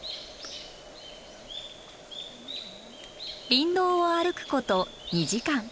林道を歩くこと２時間。